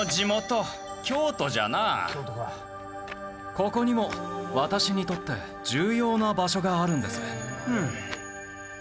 ここにも私にとって重要な場所があるんです。